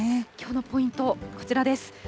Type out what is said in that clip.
きょうのポイント、こちらです。